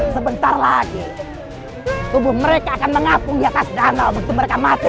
sebentar lagi tubuh mereka akan mengapung di atas danau begitu mereka masuk